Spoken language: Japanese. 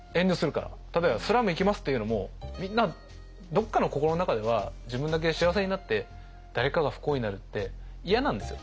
例えばスラム行きますっていうのもみんなどっかの心の中では自分だけ幸せになって誰かが不幸になるって嫌なんですよ。